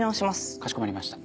かしこまりました。